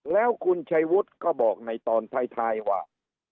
แล้วคุณชัยวุฒิก็บอกในตอนท้ายว่า